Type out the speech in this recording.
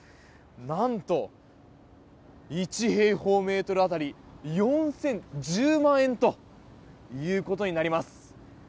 なんと１平方メートルあたり４０１０万円ということになります。